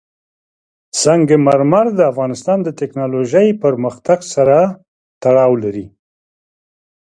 سنگ مرمر د افغانستان د تکنالوژۍ پرمختګ سره تړاو لري.